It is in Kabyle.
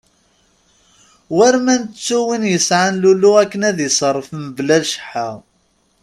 War ma nettu win yesɛan lulu akken ad iserref mebla cceḥḥa.